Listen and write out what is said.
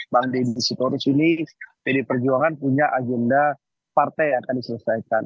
bang deddy sitorus ini pd perjuangan punya agenda partai yang akan diselesaikan